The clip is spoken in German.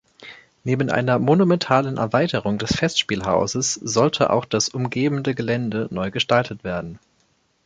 Neben einer monumentalen Erweiterung des Festspielhauses sollte auch das umgebende Gelände neu gestaltet werden.